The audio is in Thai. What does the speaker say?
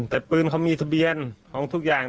แต่ปืนเขามีทะเบียนของทุกอย่าง